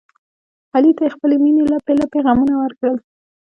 علي ته یې خپلې مینې لپې لپې غمونه ورکړل.